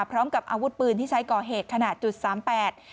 พร้อมกับอาวุธปืนที่ใช้ก่อเหตุขนาด๓๘